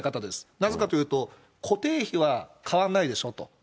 なぜかというと、固定費は変わんないでしょと。